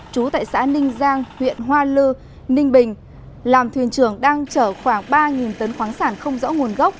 trú tại xã ninh giang huyện hoa lư ninh bình làm thuyền trưởng đang chở khoảng ba tấn khoáng sản không rõ nguồn gốc